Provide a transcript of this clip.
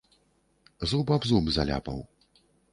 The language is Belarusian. Зуб аб зуб заляпаў.